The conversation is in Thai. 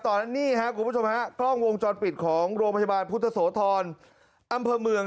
ตอนนี้ครับคล่องวงจอดปิดของโรง